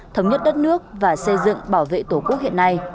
thống nhất đất nước và xây dựng bảo vệ tổ quốc hiện nay